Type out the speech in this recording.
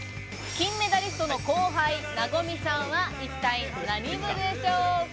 金メダリストの後輩・和さんは一体何部でしょうか？